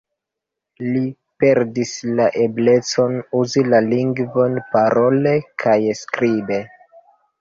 Li perdis la eblecon uzi la lingvon parole kaj skribe.